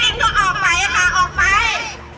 ถ้านายจริงต้องออกไปค่ะออกไป